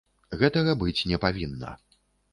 Гэтага быць не павінна.